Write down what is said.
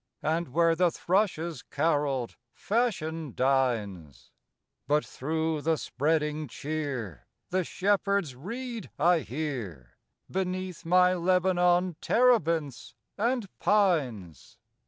And where the thrushes carolled Fashion dines. But through the spreading cheer The shepherd's reed I hear Beneath my Lebanon terebinths and pines.